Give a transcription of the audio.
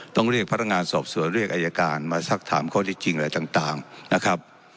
ต้องเรียกพนักงานสอบสวนเรียกอายการมาสักถามข้อที่จริงอะไรต่างนะครับ